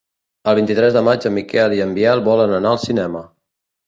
El vint-i-tres de maig en Miquel i en Biel volen anar al cinema.